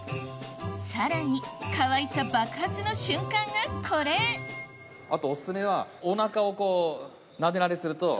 さらにかわいさ爆発の瞬間がこれあとオススメはお腹をこうなでなですると。